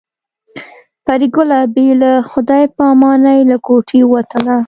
پري ګله بې له خدای په امانۍ له کوټې ووتله